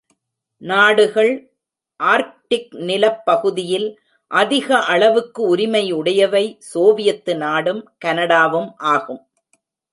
நாடுகள் ஆர்க்டிக் நிலப் பகுதியில் அதிக அளவுக்கு உரிமை உடையவை சோவியத்து நாடும் கனடாவும் ஆகும்.